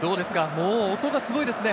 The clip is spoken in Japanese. もう音がすごいですね。